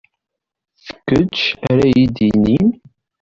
D kečč ara iyi-d-yinin.